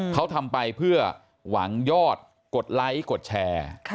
เขาทำไปเพื่อหวังยอดกดไลค์กดแชร์